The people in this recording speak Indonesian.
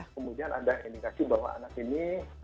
kemudian ada indikasi bahwa anak ini